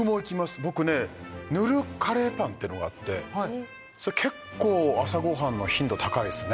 僕ねぬるカレーパンってのがあってそれ結構朝ご飯の頻度高いですね